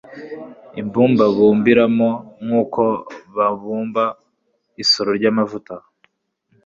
umbumbabumbiramo nk'uko babumba isoro ry'amavuta